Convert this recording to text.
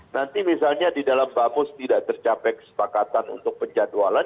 nanti misalnya di dalam bamus tidak tercapai kesepakatan untuk penjadwalan